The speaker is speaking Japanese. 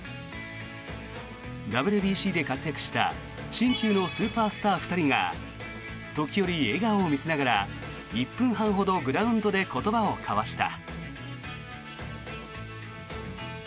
ＷＢＣで活躍した新旧のスーパースター２人が時折笑顔を見せながら１分半ほどグラウンドで言葉を交わした。